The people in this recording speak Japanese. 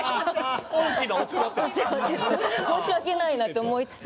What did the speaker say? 申し訳ないなって思いつつ。